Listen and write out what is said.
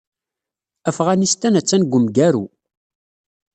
Afɣanistan attan deg wemgaru.